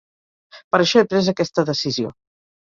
Per això he pres aquesta decisió.